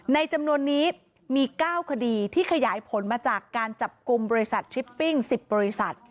จำนวนนี้มี๙คดีที่ขยายผลมาจากการจับกลุ่มบริษัทชิปปิ้ง๑๐บริษัท